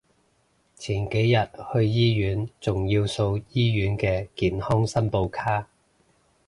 前幾日去醫院仲要掃醫院嘅健康申報卡